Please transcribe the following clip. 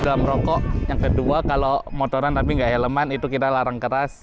dalam rokok yang kedua kalau motoran tapi nggak elemen itu kita larang keras